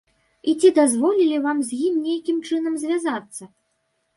І ці дазволілі вам з ім нейкім чынам звязацца?